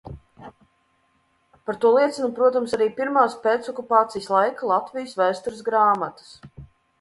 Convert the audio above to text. Par to liecina, protams, arī pirmās pēcokupācijas laika Latvijas vēstures grāmatas.